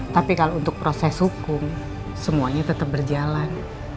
tapi kalau untuk proses hukum semuanya tetap berjalan